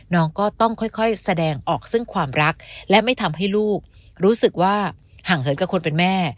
น้องก็ต้องค่อยแสดงออกซึ่งความรักและไม่ทำให้ลูกรู้สึกว่าห่างเหินกับคนเป็นแม่